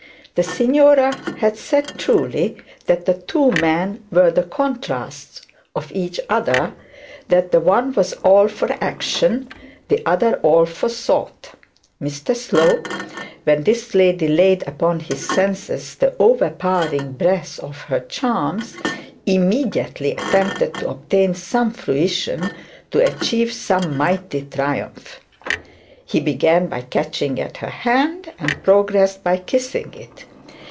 The signora had said truly, that the two men were the contrasts of each other; that the one was all for action, the other all for thought. Mr Slope, when this lady laid upon his senses the overpowering breath of her charms, immediately attempted to obtain some fruition, to achieve some mighty triumph. He began by catching at her hand, and progressed by kissing it.